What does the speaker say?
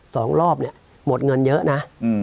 สองรอบเนี่ยหมดเงินเยอะนะอืม